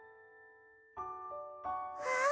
あっ！